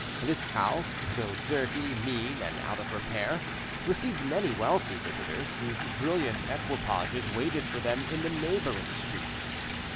This house, though dirty, mean, and out of repair, received many wealthy visitors, whose brilliant equipages waited for them in the neighbouring streets.